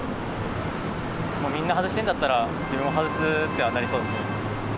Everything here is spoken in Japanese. もうみんな外してんだったら、自分も外すとはなりそうですね。